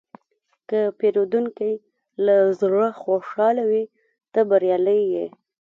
که پیرودونکی له زړه خوشحاله وي، ته بریالی یې.